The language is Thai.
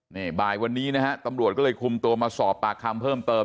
นี่บ่ายวันนี้นะฮะตำรวจก็เลยคุมตัวมาสอบปากคำเพิ่มเติม